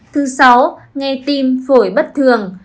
thứ sáu nghe tim phổi bất thường